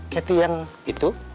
kety yang itu